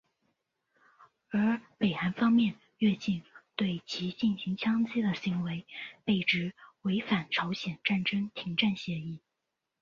而北韩方面越境对其进行枪击的行为被指违反朝鲜战争停战协定。